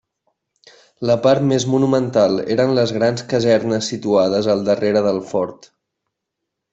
La part més monumental eren les grans casernes situades al darrere del fort.